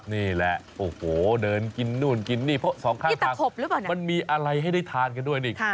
นี่แหละโอ้โหเดินกินนู่นกินนี่เพราะสองข้างทางมันมีอะไรให้ได้ทานกันด้วยนี่